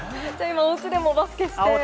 おうちでもバスケして。